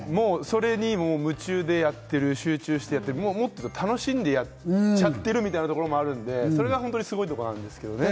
それに夢中でやっている、集中している、楽しんでやっちゃってるみたいなところもあるので、それがすごいところなんですよね。